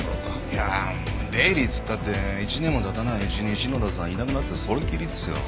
いや出入りっつったって１年も経たないうちに篠田さんいなくなってそれっきりですよ。